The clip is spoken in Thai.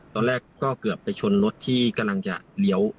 ตอนแรกก็เกือบไปชนรถที่กำลังจะเลี้ยว